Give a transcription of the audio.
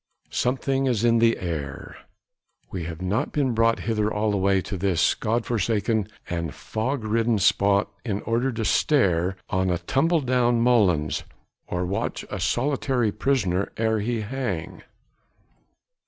Something is in the air! We have not been brought hither all the way to this God forsaken and fog ridden spot in order to stare on a tumble down molens, or watch a solitary prisoner ere he hang.